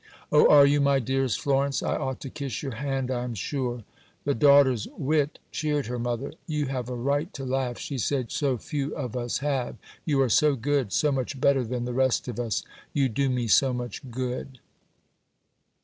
"Oh, are you my dearest Florence? I ought to kiss your hand, I am sure." The daughter's wit cheered her mother. "You have a right to laugh," she said; "so few of us have. You are so good so much better than the rest of us. You do me so much good."